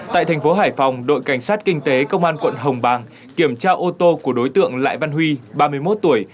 tại thành phố hải phòng đội cảnh sát kinh tế công an quận hồng bàng kiểm tra ô tô của đối tượng lại văn huy ba mươi một tuổi